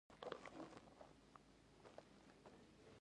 په ساده تلوین کې یوازې له یو رنګ نه کار اخیستل کیږي.